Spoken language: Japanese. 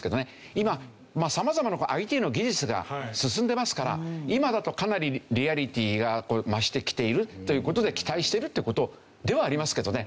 今様々なＩＴの技術が進んでますから今だとかなりリアリティーが増してきているという事で期待してるという事ではありますけどね。